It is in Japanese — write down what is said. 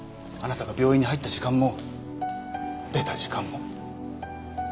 あなたが病院に入った時間も出た時間も。